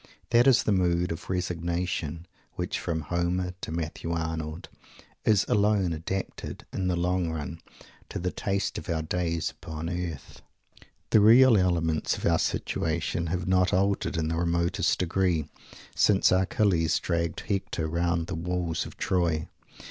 This is that mood of "resignation," which, from Homer to Matthew Arnold, is alone adapted, in the long run, to the taste of our days upon earth. The real elements of our situation have not altered in the remotest degree since Achilles dragged Hector round the walls of Troy.